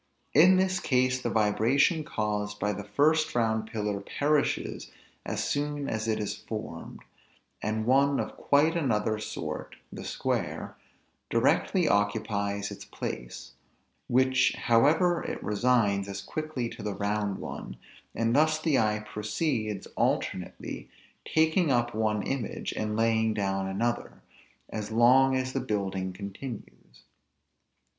In this case the vibration caused by the first round pillar perishes as soon as it is formed; and one of quite another sort (the square) directly occupies its place; which however it resigns as quickly to the round one; and thus the eye proceeds, alternately, taking up one image, and laying down another, as long as the building continues.